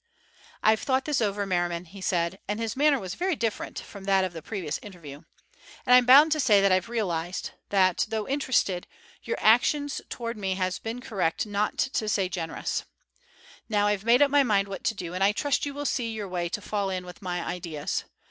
"I've thought this over, Merriman," he said, and his manner was very different from that of the previous interview, "and I'm bound to say that I've realized that, though interested, your action towards me has been correct not to say generous. Now I've made up my mind what to do, and I trust you will see your way to fall in with my ideas.